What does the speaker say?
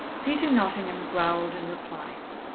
Peter Nottingham growled in reply.